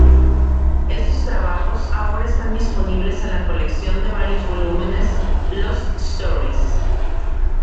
Esos trabajos ahora están disponibles en la colección de varios volúmenes "Lost Stories".